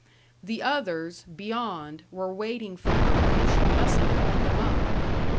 The others, beyond, were waiting for her; she mustn't hold them up.